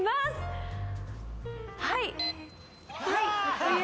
はい。